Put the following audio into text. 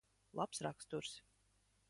Labs raksturs.